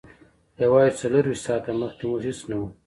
یوازې څلور ویشت ساعته مخکې موږ هیڅ نه وو